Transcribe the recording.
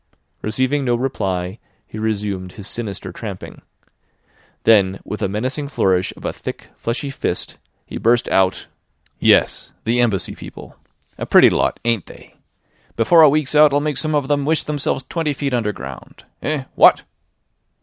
Receiving no reply, he resumed his sinister tramping. Then with a menacing flourish of a thick, fleshy fist, he burst out: "Yes. The Embassy people. A pretty lot, ain't they! Before a week's out I'll make some of them wish themselves twenty feet underground. Eh? What?"